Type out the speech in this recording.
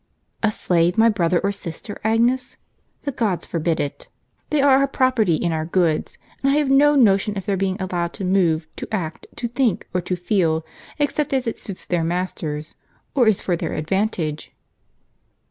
"A slave my brother or sister, Agnes? The gods forbid it! They are our property and our goods; and I have no notion of their being allowed to move, to act, to think, or to feel, except as it suits their masters, or is for their advantage."